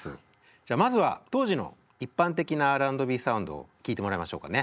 じゃあまずは当時の一般的なＲ＆Ｂサウンドを聴いてもらいましょうかね。